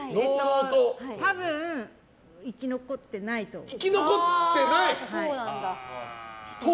多分生き残ってないと思います。